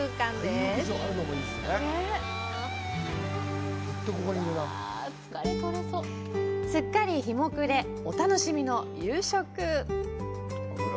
すっかり日も暮れ、お楽しみの夕食。